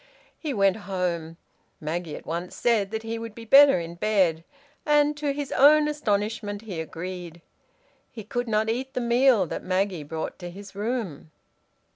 He went home. Maggie at once said that he would be better in bed, and to his own astonishment he agreed. He could not eat the meal that Maggie brought to his room.